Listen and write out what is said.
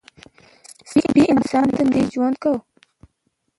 سپي انسان ته نږدې ژوند کوي.